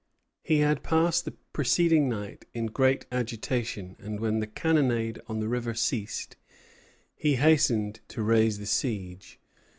He had passed the preceding night in great agitation; and when the cannonade on the river ceased, he hastened to raise the siege.